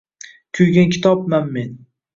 Kuygan kitobman men